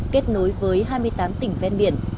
kết nối với hai mươi tám tỉnh ven biển